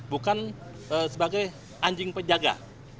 bukan sebagai anjing penjaga